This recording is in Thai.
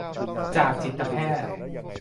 จากจิตแพทย์